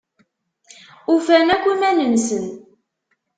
Ufan akk iman-nsen.